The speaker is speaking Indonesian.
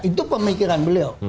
itu pemikiran beliau